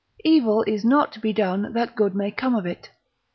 Evil is not to be done, that good may come of it.